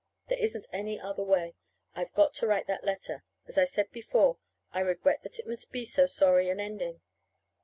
There isn't any other way. I've got to write that letter. As I said before, I regret that it must be so sorry an ending.